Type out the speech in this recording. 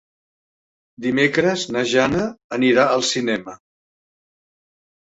Dimecres na Jana anirà al cinema.